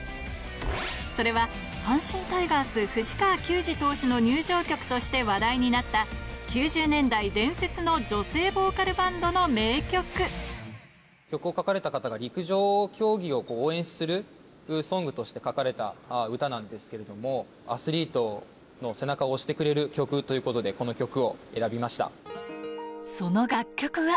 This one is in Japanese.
それは、阪神タイガース、藤川球児投手の入場曲として話題になった、９０年代伝説の女性ボ曲を書かれた方が、陸上競技を応援するソングとして書かれた歌なんですけれども、アスリートの背中を押してくれる曲ということで、この曲を選びまその楽曲は。